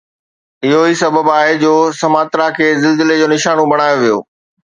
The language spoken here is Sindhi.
اهو ئي سبب آهي جو سماترا کي زلزلي جو نشانو بڻايو ويو